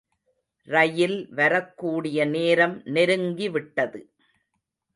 ரயில் வரக்கூடிய நேரம் நெருங்கி விட்டது.